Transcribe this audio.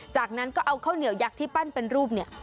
จากนั้นก็เอาข้าวเหนียวยักษ์ที่ปั้นเป็นรูปเนี่ย